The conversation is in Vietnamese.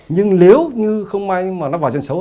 nhưng nếu như không may mà nó bỏ chuyện xấu